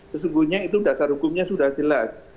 sesungguhnya itu dasar hukumnya sudah jelas